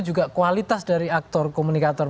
juga kualitas dari aktor komunikator